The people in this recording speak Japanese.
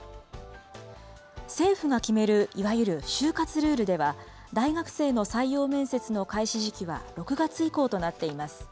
政府が決める、いわゆる就活ルールでは、大学生の採用面接の開始時期は６月以降となっています。